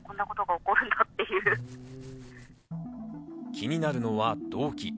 気になるのは動機。